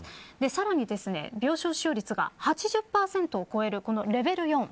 さらに、病床使用率が８０％を超えるレベル